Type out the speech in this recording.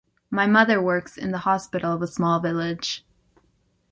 My mother works in the hospital of a small village.